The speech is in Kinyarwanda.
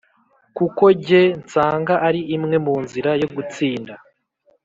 kuko jye nsanga ari imwe mu nzira yo gutsinda